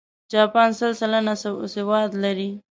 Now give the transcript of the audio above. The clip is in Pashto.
جاپان سل سلنه سواد لري.